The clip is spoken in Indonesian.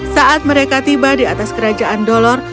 saat mereka tiba di atas kerajaan dolor